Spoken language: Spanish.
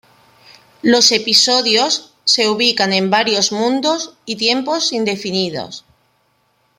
Los episodios se ubican en varios mundos y tiempos indefinidos.